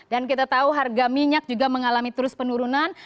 dan kita tahu harga minyak juga mengalami terus penurunan